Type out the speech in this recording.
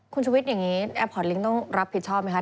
คุณชุวิตอย่างนี้แอร์พอร์ตลิงค์ต้องรับผิดชอบไหมคะ